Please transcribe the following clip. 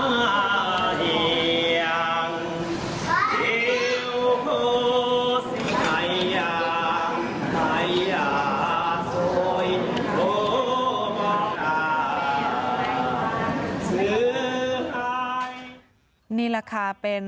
นี่แหละค่ะเป็น